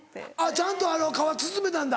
ちゃんと皮包めたんだ。